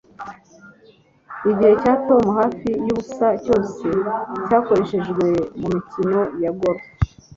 Igihe cya Tom hafi yubusa cyose cyakoreshejwe mumikino ya golf